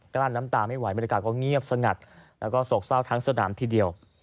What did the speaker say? ล้านน้ำตาไม่ไหวบรรยากาศก็เงียบสงัดแล้วก็โศกเศร้าทั้งสนามทีเดียว